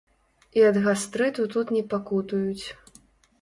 І ад гастрыту тут не пакутуюць.